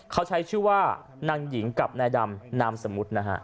เขาใช้ชื่อว่านางหญิงกับนายดำนามสมมุตินะฮะ